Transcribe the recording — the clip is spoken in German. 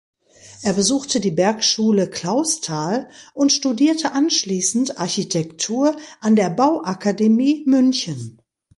Er besuchte die Bergschule Clausthal und studierte anschließend Architektur an der Bauakademie München.